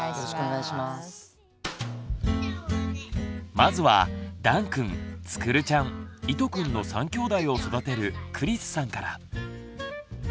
まずはだんくんつくるちゃんいとくんの３きょうだいを育てる栗栖さんから。